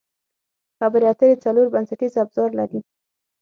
خبرې اترې څلور بنسټیز ابزار لري.